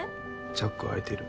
チャック開いてる。